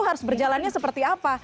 harus berjalannya seperti apa